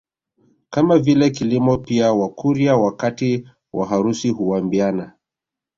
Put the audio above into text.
Kama vile kilimo pia Wakurya wakati wa harusi huambiana